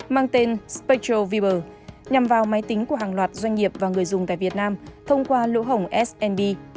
mang tên spectral viber nhằm vào máy tính của hàng loạt doanh nghiệp và người dùng tại việt nam thông qua lũ hổng snb